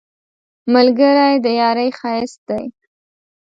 ملګری د یارۍ ښایست دی